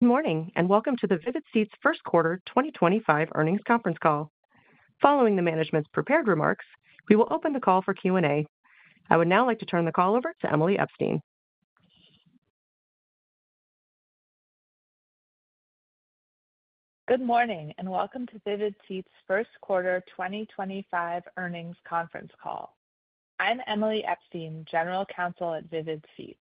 Good morning and welcome to the Vivid Seats First Quarter 2025 earnings conference call. Following the management's prepared remarks, we will open the call for Q&A. I would now like to turn the call over to Emily Epstein. Good morning and welcome to Vivid Seats First Quarter 2025 earnings conference call. I'm Emily Epstein, General Counsel at Vivid Seats.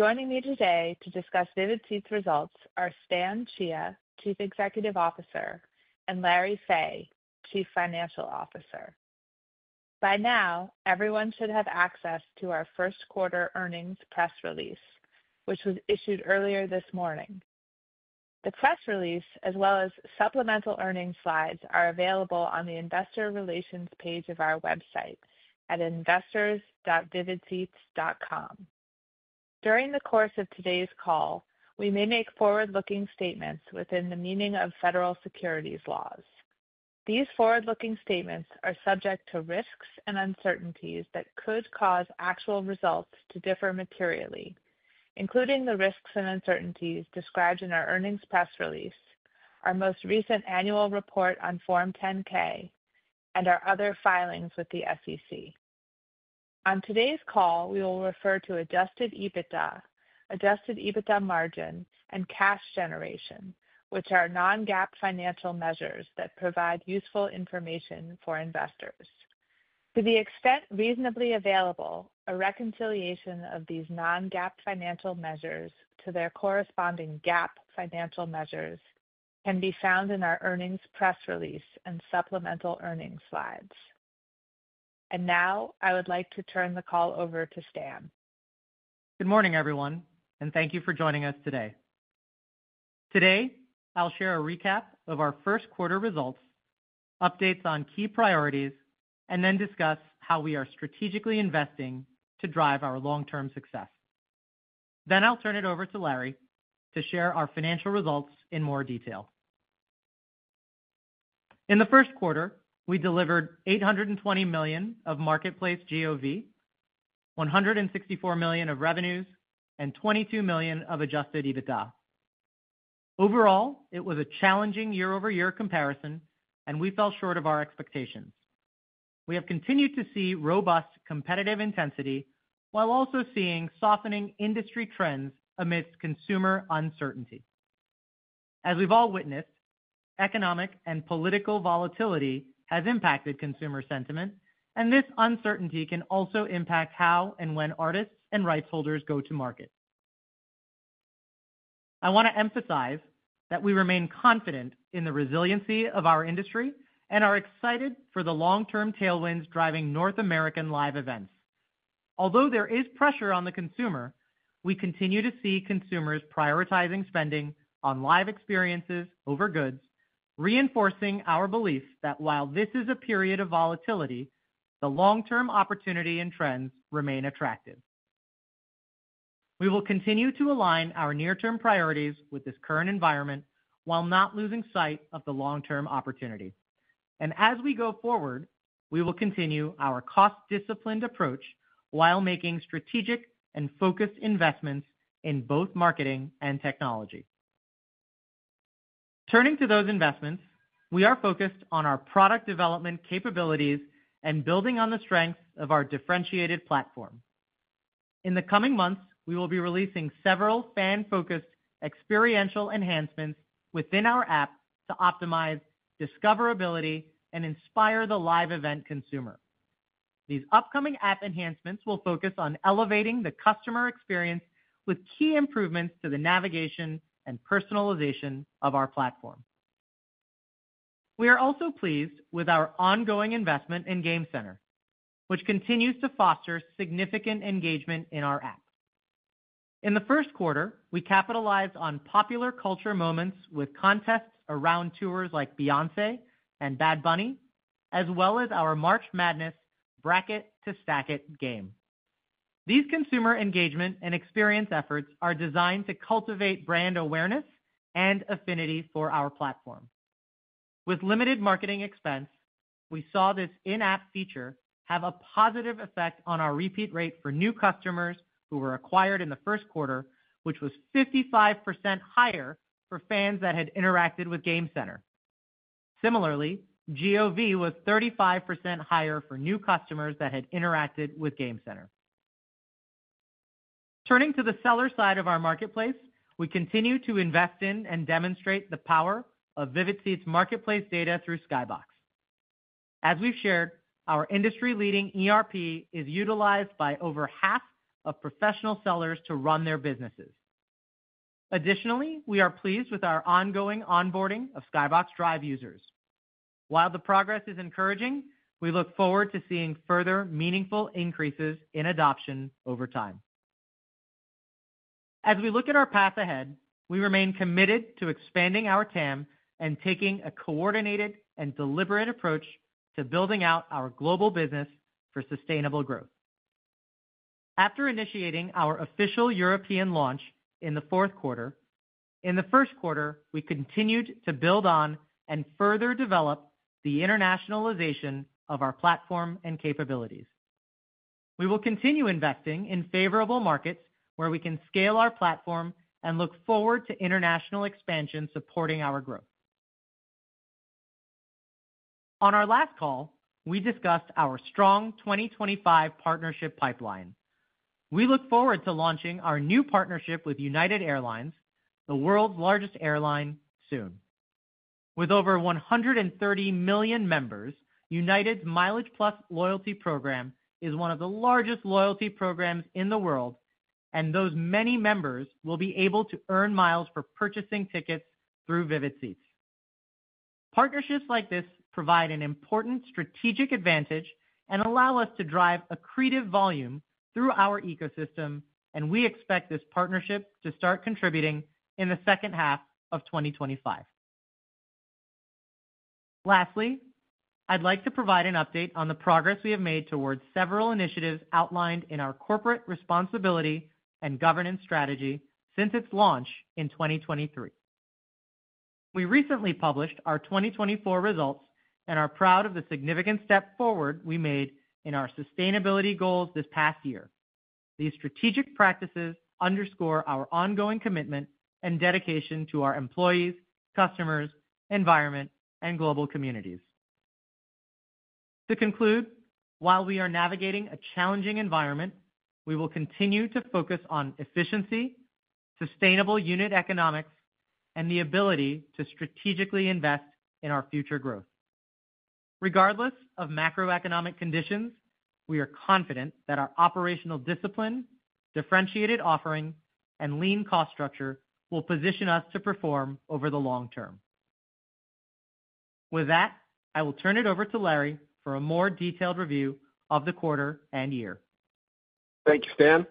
Joining me today to discuss Vivid Seats results are Stan Chia, Chief Executive Officer, and Larry Fey, Chief Financial Officer. By now, everyone should have access to our First Quarter earnings press release, which was issued earlier this morning. The press release, as well as supplemental earnings slides, are available on the Investor Relations page of our website at investors.vividseats.com. During the course of today's call, we may make forward-looking statements within the meaning of federal securities laws. These forward-looking statements are subject to risks and uncertainties that could cause actual results to differ materially, including the risks and uncertainties described in our earnings press release, our most recent annual report on Form 10-K, and our other filings with the SEC. On today's call, we will refer to Adjusted EBITDA, Adjusted EBITDA margin, and cash generation, which are Non-GAAP financial measures that provide useful information for investors. To the extent reasonably available, a reconciliation of these Non-GAAP financial measures to their corresponding GAAP financial measures can be found in our earnings press release and supplemental earnings slides. I would like to turn the call over to Stan. Good morning, everyone, and thank you for joining us today. Today, I'll share a recap of our first quarter results, updates on key priorities, and then discuss how we are strategically investing to drive our long-term success. I will turn it over to Larry to share our financial results in more detail. In the first quarter, we delivered $820 million of marketplace GOV, $164 million of revenues, and $22 million of Adjusted EBITDA. Overall, it was a challenging year-over-year comparison, and we fell short of our expectations. We have continued to see robust competitive intensity while also seeing softening industry trends amidst consumer uncertainty. As we've all witnessed, economic and political volatility has impacted consumer sentiment, and this uncertainty can also impact how and when artists and rights holders go to market. I want to emphasize that we remain confident in the resiliency of our industry and are excited for the long-term tailwinds driving North American live events. Although there is pressure on the consumer, we continue to see consumers prioritizing spending on live experiences over goods, reinforcing our belief that while this is a period of volatility, the long-term opportunity and trends remain attractive. We will continue to align our near-term priorities with this current environment while not losing sight of the long-term opportunity. As we go forward, we will continue our cost-disciplined approach while making strategic and focused investments in both marketing and technology. Turning to those investments, we are focused on our product development capabilities and building on the strengths of our differentiated platform. In the coming months, we will be releasing several fan-focused experiential enhancements within our app to optimize discoverability and inspire the live event consumer. These upcoming app enhancements will focus on elevating the customer experience with key improvements to the navigation and personalization of our platform. We are also pleased with our ongoing investment in Game Center, which continues to foster significant engagement in our app. In the first quarter, we capitalized on popular culture moments with contests around tours like Beyoncé and Bad Bunny, as well as our March Madness Bracket to Stack It game. These consumer engagement and experience efforts are designed to cultivate brand awareness and affinity for our platform. With limited marketing expense, we saw this in-app feature have a positive effect on our repeat rate for new customers who were acquired in the first quarter, which was 55% higher for fans that had interacted with Game Center. Similarly, GOV was 35% higher for new customers that had interacted with Game Center. Turning to the seller side of our marketplace, we continue to invest in and demonstrate the power of Vivid Seats' marketplace data through SkyBox. As we've shared, our industry-leading ERP is utilized by over half of professional sellers to run their businesses. Additionally, we are pleased with our ongoing onboarding of SkyBox Drive users. While the progress is encouraging, we look forward to seeing further meaningful increases in adoption over time. As we look at our path ahead, we remain committed to expanding our TAM and taking a coordinated and deliberate approach to building out our global business for sustainable growth. After initiating our official European launch in the fourth quarter, in the first quarter, we continued to build on and further develop the internationalization of our platform and capabilities. We will continue investing in favorable markets where we can scale our platform and look forward to international expansion supporting our growth. On our last call, we discussed our strong 2025 partnership pipeline. We look forward to launching our new partnership with United Airlines, the world's largest airline, soon. With over 130 million members, United's MileagePlus loyalty program is one of the largest loyalty programs in the world, and those many members will be able to earn miles for purchasing tickets through Vivid Seats. Partnerships like this provide an important strategic advantage and allow us to drive accretive volume through our ecosystem, and we expect this partnership to start contributing in the second half of 2025. Lastly, I'd like to provide an update on the progress we have made towards several initiatives outlined in our corporate responsibility and governance strategy since its launch in 2023. We recently published our 2024 results and are proud of the significant step forward we made in our sustainability goals this past year. These strategic practices underscore our ongoing commitment and dedication to our employees, customers, environment, and global communities. To conclude, while we are navigating a challenging environment, we will continue to focus on efficiency, sustainable unit economics, and the ability to strategically invest in our future growth. Regardless of macroeconomic conditions, we are confident that our operational discipline, differentiated offering, and lean cost structure will position us to perform over the long term. With that, I will turn it over to Larry for a more detailed review of the quarter and year. Thank you, Stan.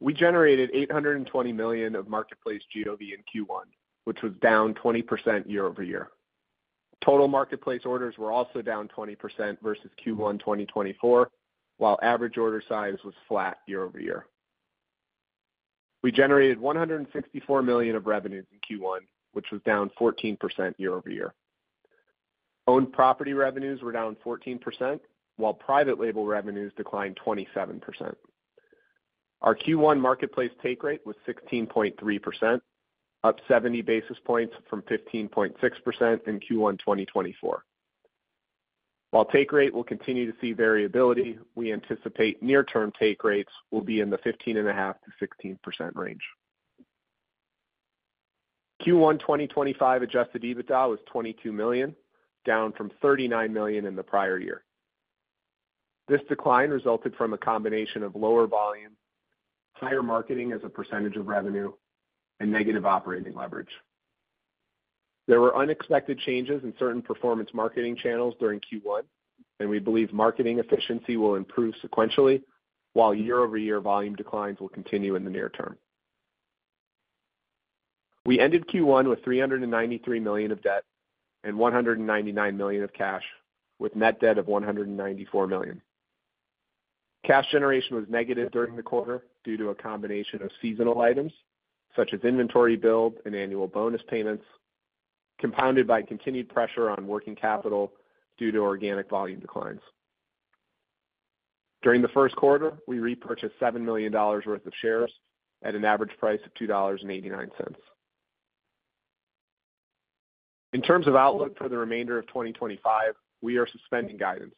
We generated $820 million of marketplace GOV in Q1, which was down 20% year-over-year. Total marketplace orders were also down 20% versus Q1 2024, while average order size was flat year-over-year. We generated $164 million of revenues in Q1, which was down 14% year-over-year. Owned property revenues were down 14%, while private label revenues declined 27%. Our Q1 marketplace take rate was 16.3%, up 70 basis points from 15.6% in Q1 2024. While take rate will continue to see variability, we anticipate near-term take rates will be in the 15.5%-16% range. Q1 2025 Adjusted EBITDA was $22 million, down from $39 million in the prior year. This decline resulted from a combination of lower volume, higher marketing as a percentage of revenue, and negative operating leverage. There were unexpected changes in certain performance marketing channels during Q1, and we believe marketing efficiency will improve sequentially, while year-over-year volume declines will continue in the near term. We ended Q1 with $393 million of debt and $199 million of cash, with net debt of $194 million. Cash generation was negative during the quarter due to a combination of seasonal items such as inventory build and annual bonus payments, compounded by continued pressure on working capital due to organic volume declines. During the first quarter, we repurchased $7 million worth of shares at an average price of $2.89. In terms of outlook for the remainder of 2025, we are suspending guidance.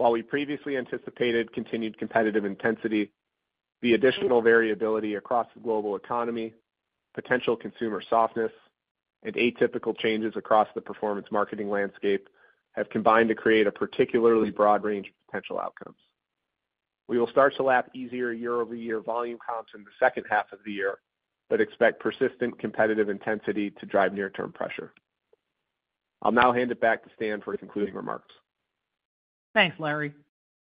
While we previously anticipated continued competitive intensity, the additional variability across the global economy, potential consumer softness, and atypical changes across the performance marketing landscape have combined to create a particularly broad range of potential outcomes. We will start to lap easier year-over-year volume comps in the second half of the year, but expect persistent competitive intensity to drive near-term pressure. I'll now hand it back to Stan for concluding remarks. Thanks, Larry.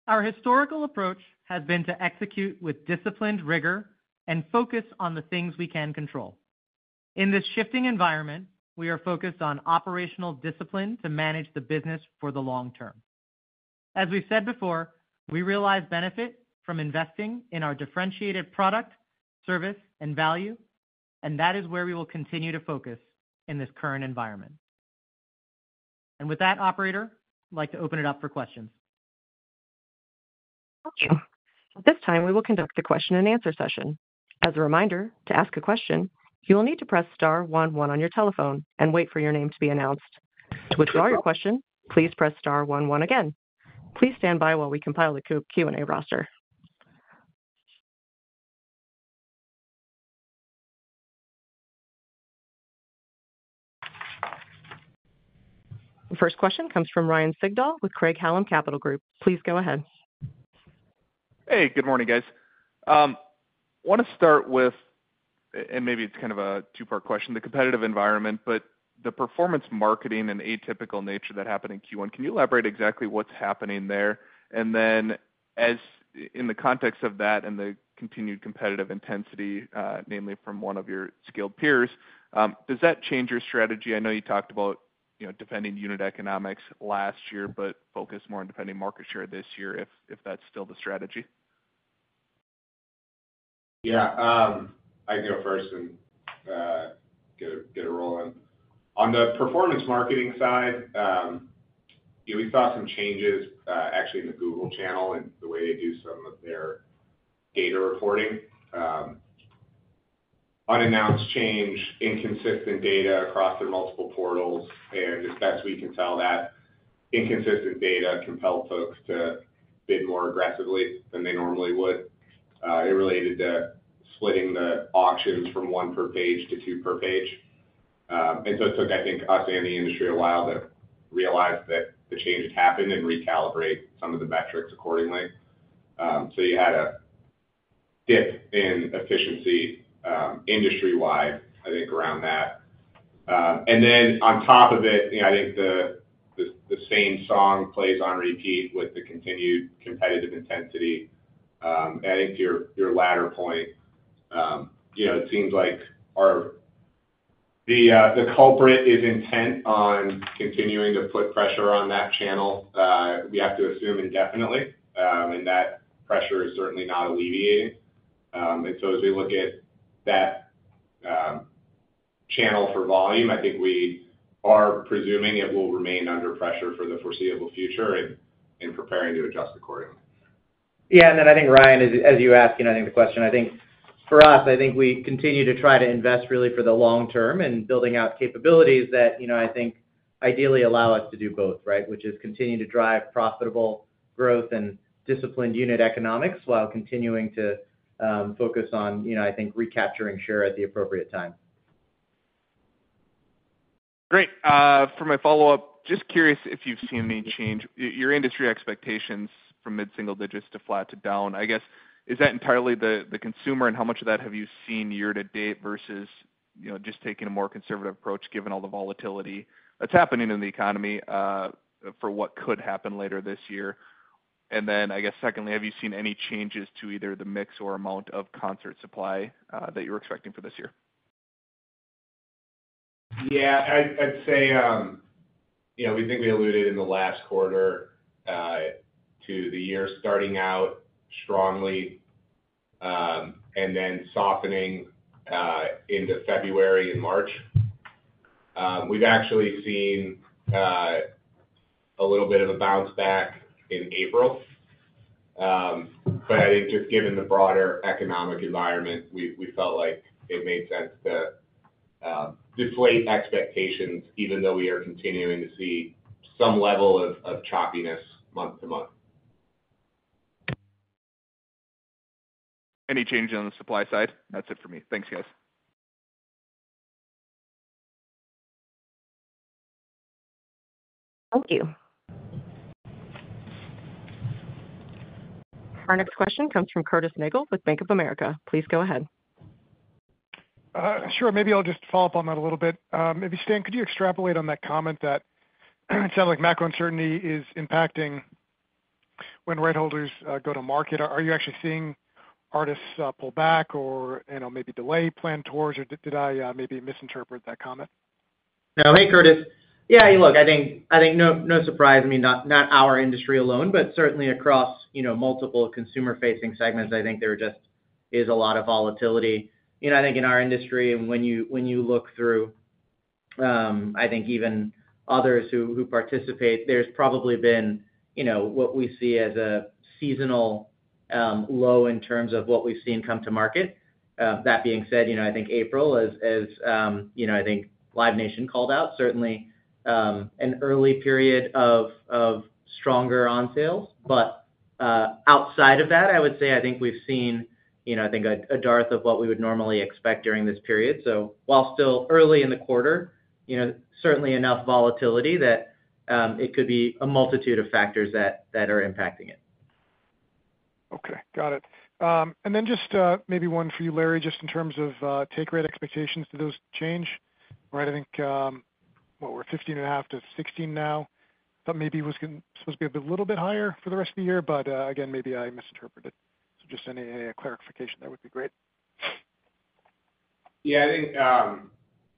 Our historical approach has been to execute with disciplined rigor and focus on the things we can control. In this shifting environment, we are focused on operational discipline to manage the business for the long term. As we've said before, we realize benefit from investing in our differentiated product, service, and value, and that is where we will continue to focus in this current environment. With that, Operator, I'd like to open it up for questions. Thank you. At this time, we will conduct a question-and-answer session. As a reminder, to ask a question, you will need to press star one one on your telephone and wait for your name to be announced. To withdraw your question, please press star one one again. Please stand by while we compile the Q&A roster. The first question comes from Ryan Sigdahl with Craig-Hallum Capital Group. Please go ahead. Hey, good morning, guys. I want to start with, and maybe it's kind of a two-part question, the competitive environment, but the performance marketing and atypical nature that happened in Q1. Can you elaborate exactly what's happening there? In the context of that and the continued competitive intensity, namely from one of your skilled peers, does that change your strategy? I know you talked about defending unit economics last year, but focus more on defending market share this year if that's still the strategy. Yeah. I can go first and get a roll-in. On the performance marketing side, we saw some changes actually in the Google channel and the way they do some of their data reporting. Unannounced change, inconsistent data across their multiple portals, and as best we can tell, that inconsistent data compelled folks to bid more aggressively than they normally would. It related to splitting the auctions from one per page to two per page. It took, I think, us and the industry a while to realize that the change had happened and recalibrate some of the metrics accordingly. You had a dip in efficiency industry-wide, I think, around that. On top of it, I think the same song plays on repeat with the continued competitive intensity. I think to your latter point, it seems like the culprit is intent on continuing to put pressure on that channel. We have to assume indefinitely, and that pressure is certainly not alleviating. As we look at that channel for volume, I think we are presuming it will remain under pressure for the foreseeable future and preparing to adjust accordingly. Yeah. I think, Ryan, as you asked the question, I think for us, we continue to try to invest really for the long term and building out capabilities that I think ideally allow us to do both, right, which is continue to drive profitable growth and disciplined unit economics while continuing to focus on, I think, recapturing share at the appropriate time. Great. For my follow-up, just curious if you've seen any change. Your industry expectations from mid-single digits to flat to down, I guess, is that entirely the consumer, and how much of that have you seen year-to-date versus just taking a more conservative approach given all the volatility that's happening in the economy for what could happen later this year? I guess, secondly, have you seen any changes to either the mix or amount of concert supply that you were expecting for this year? Yeah. I'd say we think we alluded in the last quarter to the year starting out strongly and then softening into February and March. We've actually seen a little bit of a bounce back in April. I think just given the broader economic environment, we felt like it made sense to deflate expectations, even though we are continuing to see some level of choppiness month to month. Any change on the supply side? That's it for me. Thanks, guys. Thank you. Our next question comes from Curtis Nagle with Bank of America. Please go ahead. Sure. Maybe I'll just follow up on that a little bit. Maybe, Stan, could you extrapolate on that comment that it sounds like macro uncertainty is impacting when rights holders go to market? Are you actually seeing artists pull back or maybe delay planned tours, or did I maybe misinterpret that comment? No. Hey, Curtis. Yeah. Look, I think no surprise, I mean, not our industry alone, but certainly across multiple consumer-facing segments, I think there just is a lot of volatility. I think in our industry, and when you look through, I think, even others who participate, there's probably been what we see as a seasonal low in terms of what we've seen come to market. That being said, I think April is, I think, Live Nation called out certainly an early period of stronger on sales. Outside of that, I would say I think we've seen, I think, a dearth of what we would normally expect during this period. While still early in the quarter, certainly enough volatility that it could be a multitude of factors that are impacting it. Okay. Got it. And then just maybe one for you, Larry, just in terms of take rate expectations, did those change? Right? I think, what, we are 15.5%-16% now. That maybe was supposed to be a little bit higher for the rest of the year, but again, maybe I misinterpreted. Just any clarification there would be great. Yeah. I think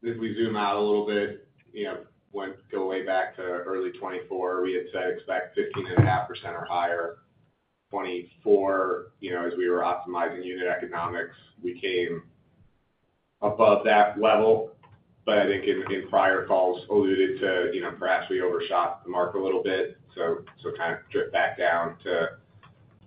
if we zoom out a little bit, going way back to early 2024, we had said expect 15.5% or higher. 2024, as we were optimizing unit economics, we came above that level. I think in prior calls alluded to perhaps we overshot the mark a little bit. So kind of drip back down to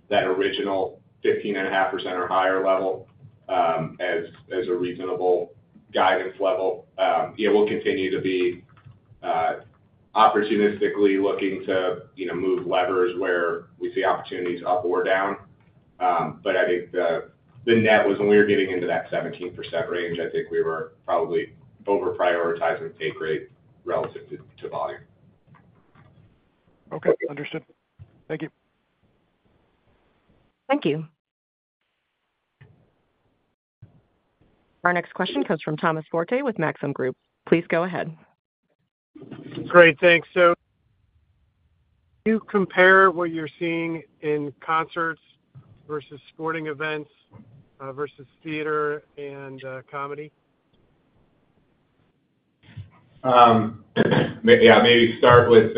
that original 15.5% or higher level as a reasonable guidance level. Yeah, we'll continue to be opportunistically looking to move levers where we see opportunities up or down. I think the net was when we were getting into that 17% range, I think we were probably over-prioritizing take rate relative to volume. Okay. Understood. Thank you. Thank you. Our next question comes from Thomas Forte with Maxim Group. Please go ahead. Great. Thanks. Can you compare what you're seeing in concerts versus sporting events versus theater and comedy? Yeah. Maybe start with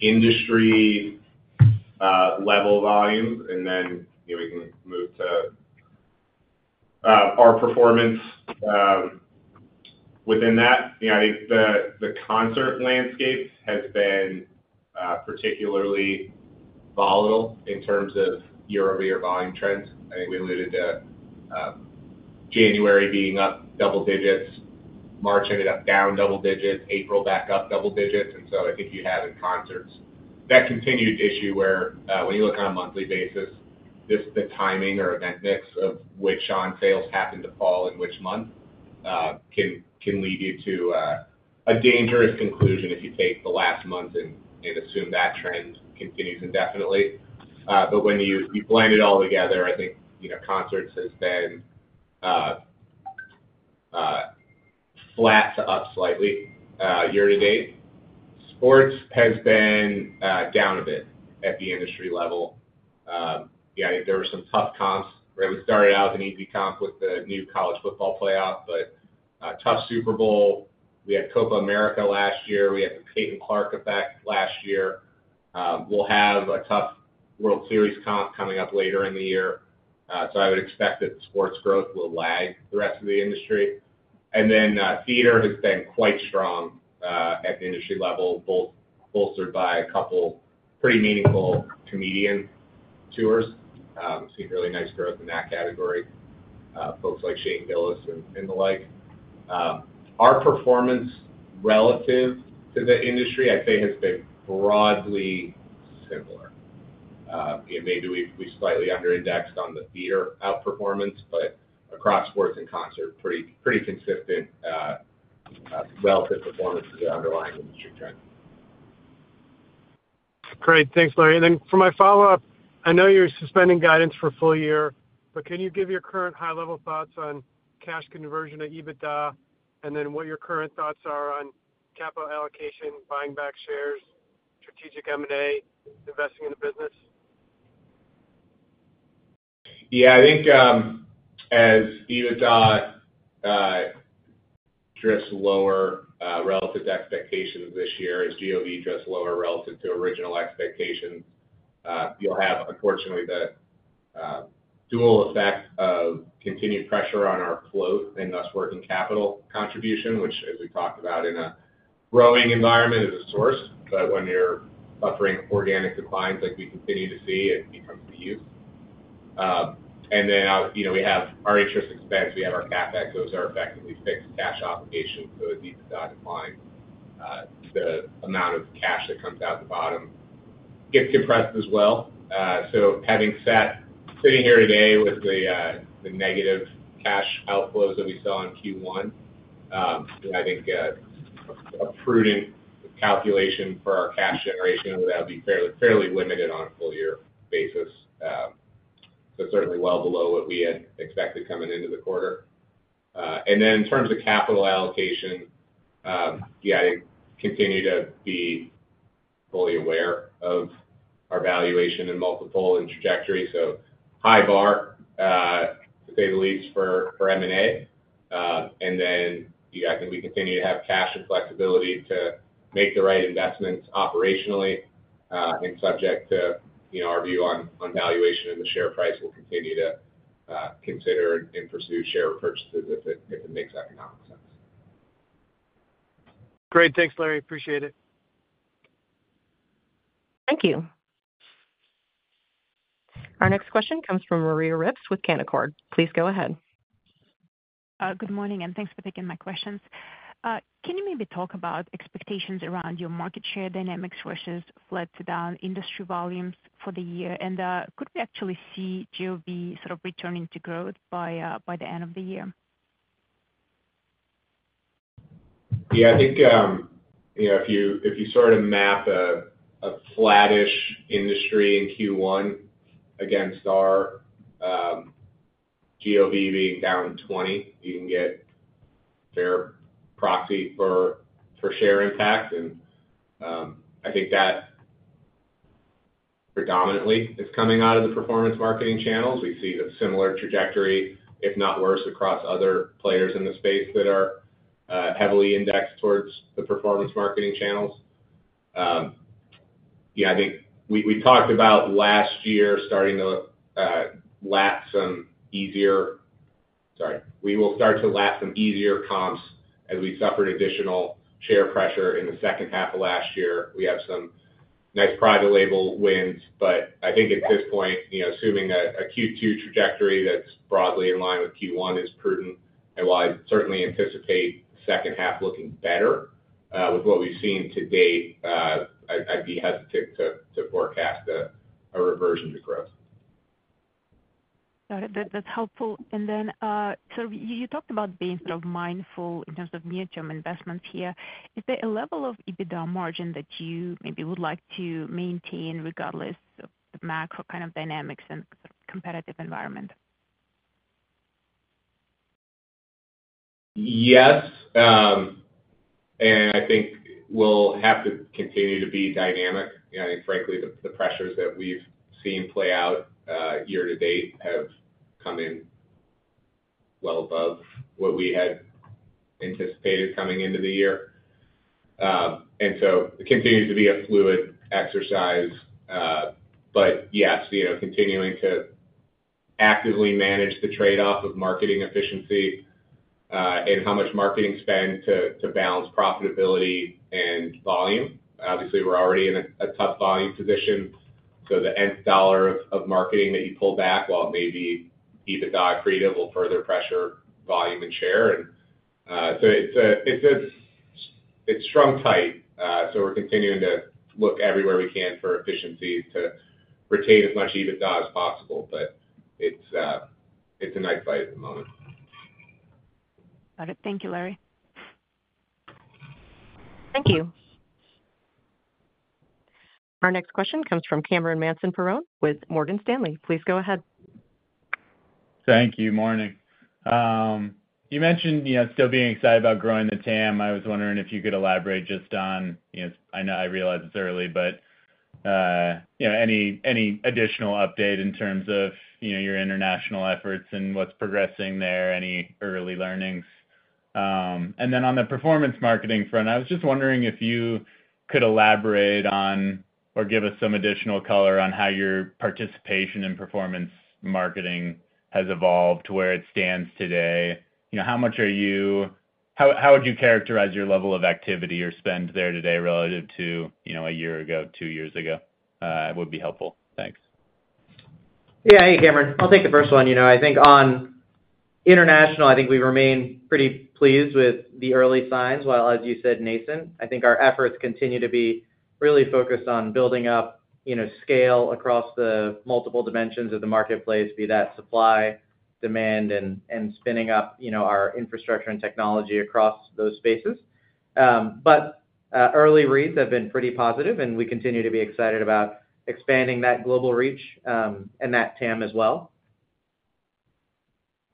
industry-level volume, and then we can move to our performance within that. I think the concert landscape has been particularly volatile in terms of year-over-year volume trends. I think we alluded to January being up double digits, March ended up down double digits, April back up double digits. I think you have in concerts that continued issue where when you look on a monthly basis, the timing or event mix of which on sales happen to fall in which month can lead you to a dangerous conclusion if you take the last month and assume that trend continues indefinitely. When you blend it all together, I think concerts has been flat to up slightly year-to-date. Sports has been down a bit at the industry level. Yeah, I think there were some tough comps where we started out as an easy comp with the new college football playoff, but tough Super Bowl. We had Copa América last year. We had the Peyton Clark effect last year. We'll have a tough World Series comp coming up later in the year. I would expect that the sports growth will lag the rest of the industry. Theater has been quite strong at the industry level, both bolstered by a couple pretty meaningful comedian tours. I've seen really nice growth in that category, folks like Shane Gillis and the like. Our performance relative to the industry, I'd say, has been broadly similar. Maybe we slightly under-indexed on the theater outperformance, but across sports and concert, pretty consistent relative performance to the underlying industry trend. Great. Thanks, Larry. For my follow-up, I know you're suspending guidance for full year, but can you give your current high-level thoughts on cash conversion at EBITDA and then what your current thoughts are on capital allocation, buying back shares, strategic M&A, investing in the business? Yeah. I think as EBITDA drifts lower relative to expectations this year, as GOV drifts lower relative to original expectations, you'll have, unfortunately, the dual effect of continued pressure on our float and thus working capital contribution, which, as we talked about in a growing environment, is a source. When you're suffering organic declines like we continue to see, it becomes the youth. We have our interest expense. We have our CapEx. Those are effectively fixed cash obligations. As EBITDA declines, the amount of cash that comes out of the bottom gets compressed as well. Sitting here today with the negative cash outflows that we saw in Q1, I think a prudent calculation for our cash generation would be fairly limited on a full-year basis. Certainly well below what we had expected coming into the quarter. In terms of capital allocation, yeah, I think continue to be fully aware of our valuation and multiple and trajectory. High bar, to say the least, for M&A. I think we continue to have cash and flexibility to make the right investments operationally and subject to our view on valuation and the share price will continue to consider and pursue share purchases if it makes economic sense. Great. Thanks, Larry. Appreciate it. Thank you. Our next question comes from Maria Ripps with Canaccord. Please go ahead. Good morning, and thanks for taking my questions. Can you maybe talk about expectations around your market share dynamics versus flat to down industry volumes for the year? Could we actually see GOV sort of returning to growth by the end of the year? Yeah. I think if you sort of map a flattish industry in Q1 against our GOV being down 20%, you can get a fair proxy for share impact. I think that predominantly is coming out of the performance marketing channels. We see a similar trajectory, if not worse, across other players in the space that are heavily indexed towards the performance marketing channels. Yeah. I think we talked about last year starting to lap some easier—sorry. We will start to lap some easier comps as we suffered additional share pressure in the second half of last year. We have some nice private label wins. I think at this point, assuming a Q2 trajectory that's broadly in line with Q1 is prudent and why I'd certainly anticipate the second half looking better with what we've seen to date, I'd be hesitant to forecast a reversion to growth. Got it. That's helpful. You talked about being sort of mindful in terms of near-term investments here. Is there a level of EBITDA margin that you maybe would like to maintain regardless of the macro kind of dynamics and sort of competitive environment? Yes. I think we'll have to continue to be dynamic. I think, frankly, the pressures that we've seen play out year-to-date have come in well above what we had anticipated coming into the year. It continues to be a fluid exercise. Yes, continuing to actively manage the trade-off of marketing efficiency and how much marketing spend to balance profitability and volume. Obviously, we're already in a tough volume position. The Nth dollar of marketing that you pull back, while it may be EBITDA accretive, will further pressure volume and share. It's strung tight. We're continuing to look everywhere we can for efficiencies to retain as much EBITDA as possible. It's a night fight at the moment. Got it. Thank you, Larry. Thank you. Our next question comes from Cameron Mansson-Perrone with Morgan Stanley. Please go ahead. Thank you. Morning. You mentioned still being excited about growing the TAM. I was wondering if you could elaborate just on—I realize it's early—but any additional update in terms of your international efforts and what's progressing there, any early learnings? Then on the performance marketing front, I was just wondering if you could elaborate on or give us some additional color on how your participation in performance marketing has evolved to where it stands today. How much are you—how would you characterize your level of activity or spend there today relative to a year ago, two years ago? It would be helpful. Thanks. Yeah. Hey, Cameron. I'll take the first one. I think on international, I think we remain pretty pleased with the early signs. While, as you said, nascent, I think our efforts continue to be really focused on building up scale across the multiple dimensions of the marketplace, be that supply, demand, and spinning up our infrastructure and technology across those spaces. Early reads have been pretty positive, and we continue to be excited about expanding that global reach and that TAM as well.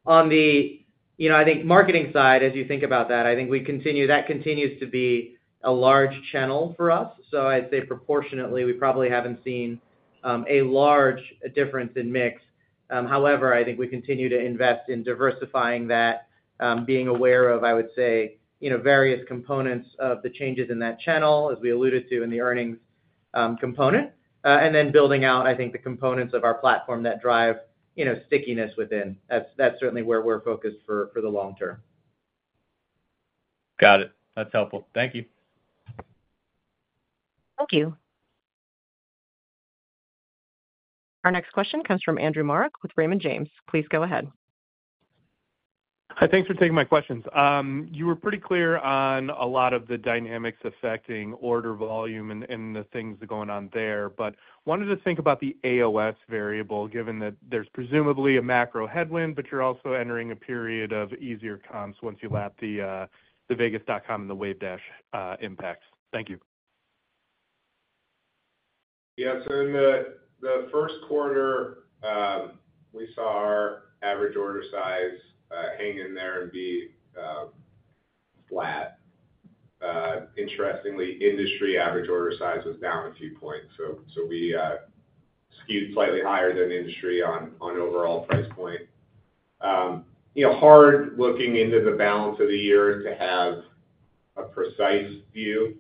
On the, I think, marketing side, as you think about that, I think that continues to be a large channel for us. I'd say proportionately, we probably haven't seen a large difference in mix. However, I think we continue to invest in diversifying that, being aware of, I would say, various components of the changes in that channel, as we alluded to in the earnings component, and then building out, I think, the components of our platform that drive stickiness within. That is certainly where we're focused for the long term. Got it. That's helpful. Thank you. Thank you. Our next question comes from Andrew Marek with Raymond James. Please go ahead. Hi. Thanks for taking my questions. You were pretty clear on a lot of the dynamics affecting order volume and the things going on there. I wanted to think about the AOS variable, given that there's presumably a macro headwind, but you're also entering a period of easier comps once you lap the Vegas.com and the Wavedash impacts. Thank you. Yeah. In the first quarter, we saw our average order size hang in there and be flat. Interestingly, industry average order size was down a few points. We skewed slightly higher than industry on overall price point. Hard looking into the balance of the year to have a precise view,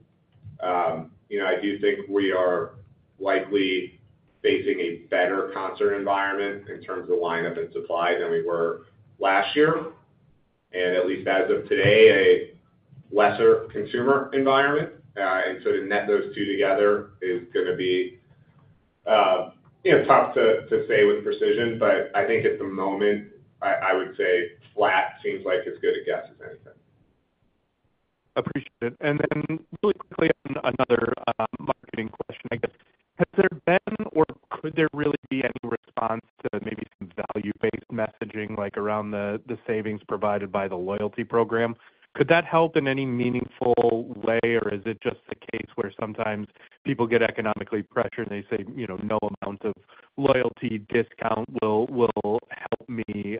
I do think we are likely facing a better concert environment in terms of lineup and supply than we were last year. At least as of today, a lesser consumer environment. To net those two together is going to be tough to say with precision. I think at the moment, I would say flat seems like as good a guess as anything. Appreciate it. Really quickly, another marketing question, I guess. Has there been or could there really be any response to maybe some value-based messaging around the savings provided by the loyalty program? Could that help in any meaningful way, or is it just the case where sometimes people get economically pressured and they say, "No amount of loyalty discount will help me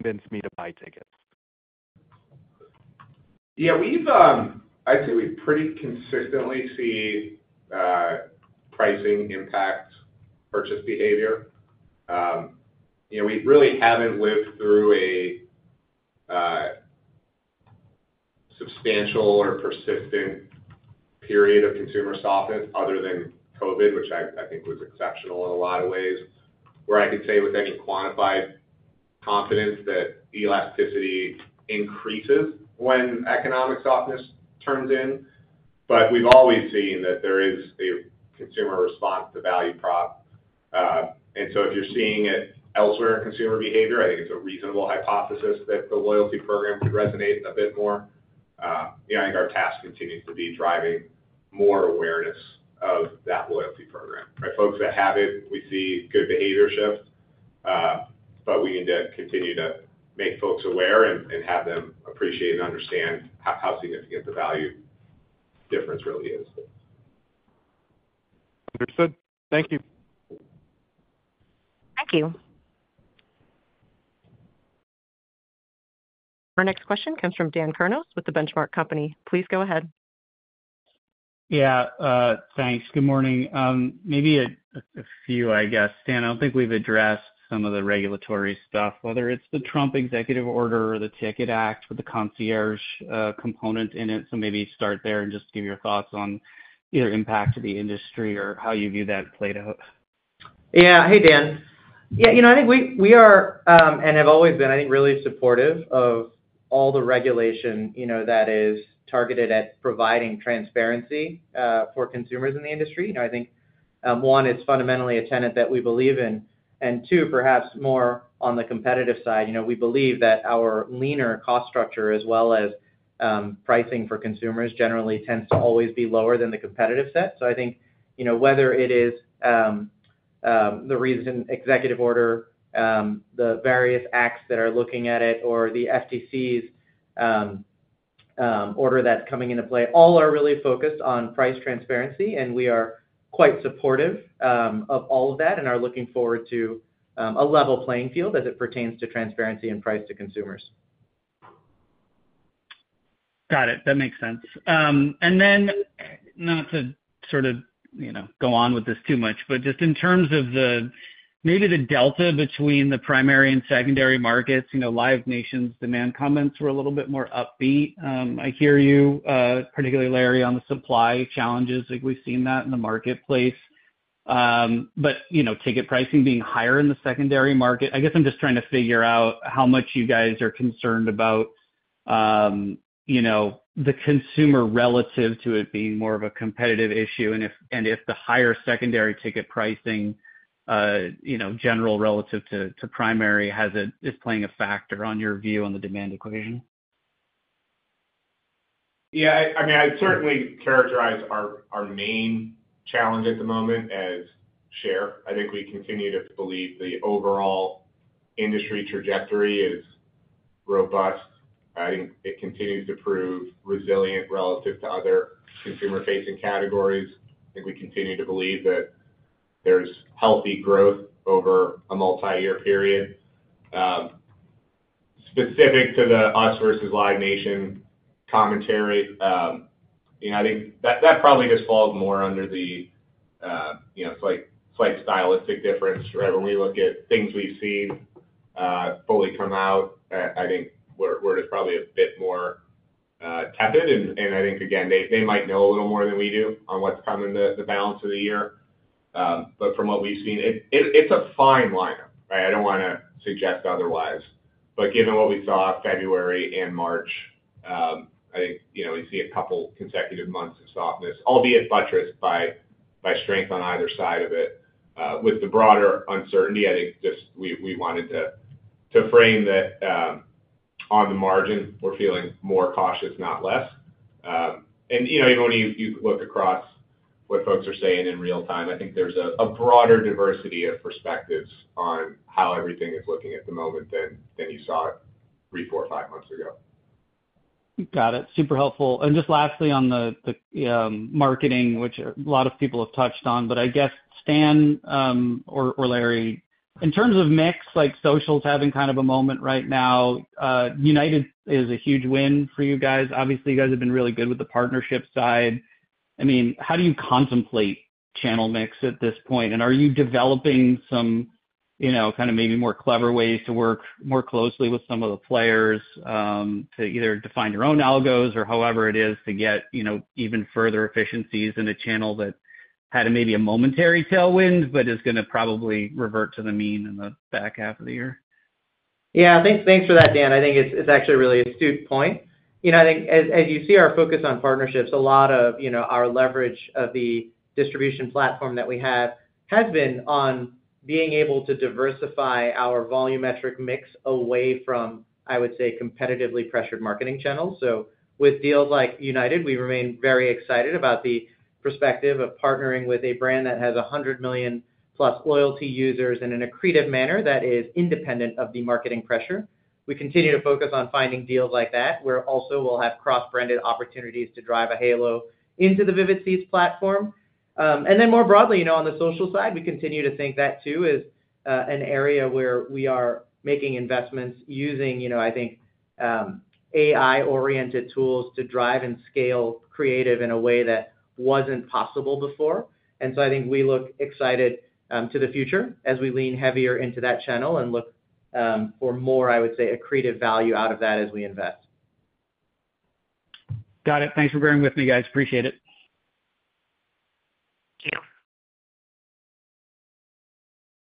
convince me to buy tickets"? Yeah. I'd say we pretty consistently see pricing impact purchase behavior. We really haven't lived through a substantial or persistent period of consumer softness other than COVID, which I think was exceptional in a lot of ways, where I could say with any quantified confidence that elasticity increases when economic softness turns in. We have always seen that there is a consumer response to value prop. If you're seeing it elsewhere in consumer behavior, I think it's a reasonable hypothesis that the loyalty program could resonate a bit more. I think our task continues to be driving more awareness of that loyalty program. Folks that have it, we see good behavior shift. We need to continue to make folks aware and have them appreciate and understand how significant the value difference really is. Understood. Thank you. Thank you. Our next question comes from Dan Kurnos with The Benchmark Company. Please go ahead. Yeah. Thanks. Good morning. Maybe a few, I guess. Stan, I do not think we have addressed some of the regulatory stuff, whether it is the Trump executive order or the Ticket Act with the concierge component in it. Maybe start there and just give your thoughts on either impact to the industry or how you view that play to. Yeah. Hey, Dan. Yeah. I think we are, and have always been, I think, really supportive of all the regulation that is targeted at providing transparency for consumers in the industry. I think, one, it's fundamentally a tenet that we believe in. Two, perhaps more on the competitive side, we believe that our leaner cost structure as well as pricing for consumers generally tends to always be lower than the competitive set. I think whether it is the recent executive order, the various acts that are looking at it, or the FTC's order that's coming into play, all are really focused on price transparency. We are quite supportive of all of that and are looking forward to a level playing field as it pertains to transparency and price to consumers. Got it. That makes sense. Not to sort of go on with this too much, but just in terms of maybe the delta between the primary and secondary markets, Live Nation's demand comments were a little bit more upbeat. I hear you, particularly Larry, on the supply challenges. We've seen that in the marketplace. Ticket pricing being higher in the secondary market, I guess I'm just trying to figure out how much you guys are concerned about the consumer relative to it being more of a competitive issue. If the higher secondary ticket pricing general relative to primary is playing a factor on your view on the demand equation. Yeah. I mean, I'd certainly characterize our main challenge at the moment as share. I think we continue to believe the overall industry trajectory is robust. I think it continues to prove resilient relative to other consumer-facing categories. I think we continue to believe that there's healthy growth over a multi-year period. Specific to the U.S. versus Live Nation commentary, I think that probably just falls more under the slight stylistic difference, right? When we look at things we've seen fully come out, I think we're just probably a bit more tepid. I think, again, they might know a little more than we do on what's coming the balance of the year. From what we've seen, it's a fine lineup, right? I don't want to suggest otherwise. Given what we saw February and March, I think we see a couple consecutive months of softness, albeit buttressed by strength on either side of it. With the broader uncertainty, I think just we wanted to frame that on the margin, we're feeling more cautious, not less. Even when you look across what folks are saying in real time, I think there's a broader diversity of perspectives on how everything is looking at the moment than you saw it three, four, or five months ago. Got it. Super helpful. Just lastly on the marketing, which a lot of people have touched on, I guess, Stan or Larry, in terms of mix, social is having kind of a moment right now. United is a huge win for you guys. Obviously, you guys have been really good with the partnership side. I mean, how do you contemplate channel mix at this point? Are you developing some kind of maybe more clever ways to work more closely with some of the players to either define your own algos or however it is to get even further efficiencies in a channel that had maybe a momentary tailwind but is going to probably revert to the mean in the back half of the year? Yeah. Thanks for that, Dan. I think it's actually a really astute point. I think as you see our focus on partnerships, a lot of our leverage of the distribution platform that we have has been on being able to diversify our volumetric mix away from, I would say, competitively pressured marketing channels. With deals like United, we remain very excited about the perspective of partnering with a brand that has 100 million-plus loyalty users in an accretive manner that is independent of the marketing pressure. We continue to focus on finding deals like that, where also we'll have cross-branded opportunities to drive a halo into the Vivid Seats platform. More broadly, on the social side, we continue to think that too is an area where we are making investments using, I think, AI-oriented tools to drive and scale creative in a way that wasn't possible before. I think we look excited to the future as we lean heavier into that channel and look for more, I would say, accretive value out of that as we invest. Got it. Thanks for bearing with me, guys. Appreciate it. Thank you.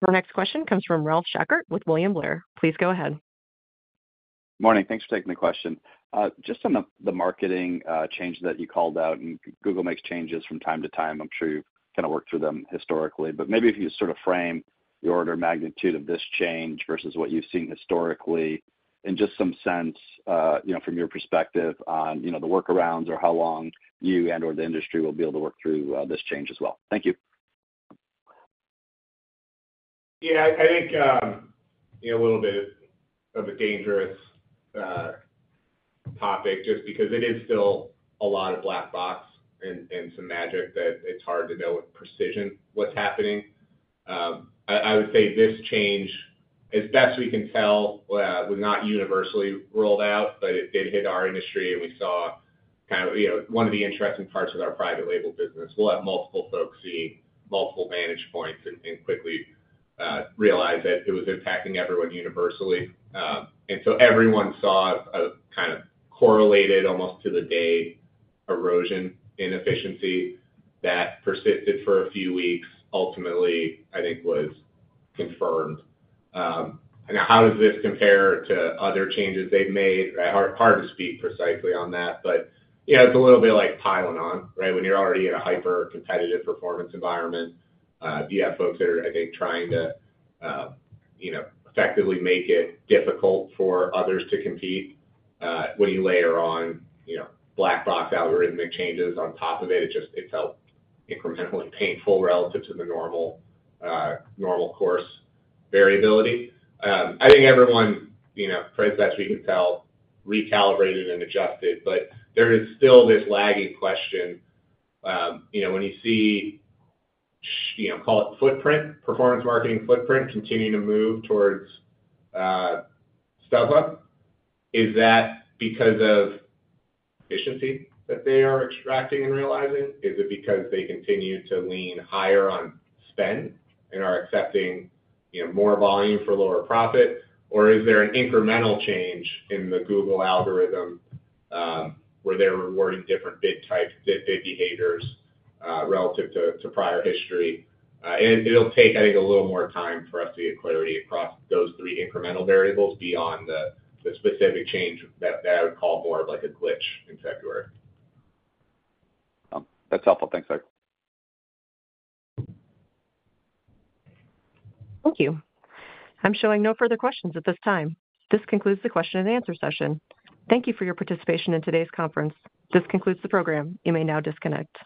Our next question comes from Ralph Schackart with William Blair. Please go ahead. Good morning. Thanks for taking the question. Just on the marketing change that you called out, and Google makes changes from time to time. I'm sure you've kind of worked through them historically. Maybe if you sort of frame the order of magnitude of this change versus what you've seen historically in just some sense from your perspective on the workarounds or how long you and/or the industry will be able to work through this change as well. Thank you. Yeah. I think a little bit of a dangerous topic just because it is still a lot of black box and some magic that it's hard to know with precision what's happening. I would say this change, as best we can tell, was not universally rolled out, but it did hit our industry. We saw kind of one of the interesting parts of our private label business. We'll have multiple folks see multiple vantage points and quickly realize that it was impacting everyone universally. Everyone saw a kind of correlated almost to-the-day erosion in efficiency that persisted for a few weeks. Ultimately, I think, was confirmed. How does this compare to other changes they've made? Hard to speak precisely on that. It's a little bit like pile-on, right? When you're already in a hyper-competitive performance environment, you have folks that are, I think, trying to effectively make it difficult for others to compete. When you layer on black box algorithmic changes on top of it, it felt incrementally painful relative to the normal course variability. I think everyone, precisely as we can tell, recalibrated and adjusted. There is still this lagging question. When you see, call it, performance marketing footprint continuing to move towards StubHub, is that because of efficiency that they are extracting and realizing? Is it because they continue to lean higher on spend and are accepting more volume for lower profit? Is there an incremental change in the Google algorithm where they're rewarding different bid types, bid behaviors relative to prior history? It'll take, I think, a little more time for us to get clarity across those three incremental variables beyond the specific change that I would call more of like a glitch in February. That's helpful. Thanks, Larry. Thank you. I'm showing no further questions at this time. This concludes the question and answer session. Thank you for your participation in today's conference. This concludes the program. You may now disconnect.